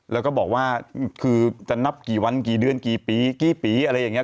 แล้วก็บอกว่าคือจะนับกี่วันกี่เดือนกี่ปีกี่ปีอะไรอย่างนี้